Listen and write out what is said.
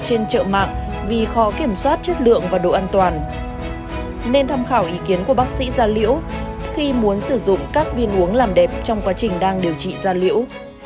nên trợ mạng vì khó kiểm soát chất lượng và độ an toàn nên tham khảo ý kiến của bác sĩ gia liễu khi muốn sử dụng các viên uống làm đẹp trong quá trình đang điều trị da liễu